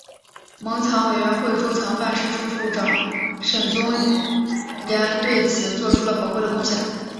蒙藏委员会驻藏办事处处长沈宗濂对此作出了宝贵的贡献。